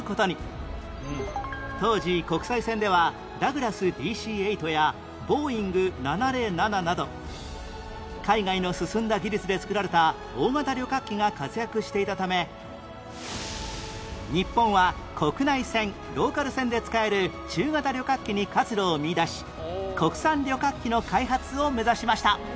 当時国際線ではダグラス ＤＣ−８ やボーイング７０７など海外の進んだ技術で造られた大型旅客機が活躍していたため日本は国内線・ローカル線で使える中型旅客機に活路を見いだし国産旅客機の開発を目指しました